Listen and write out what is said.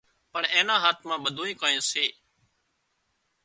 پڻ اين نا هاٿ مان ٻڌوئيني ڪانئين سي